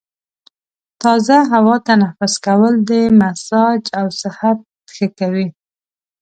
تازه هوا تنفس کول د مزاج او صحت ښه کوي.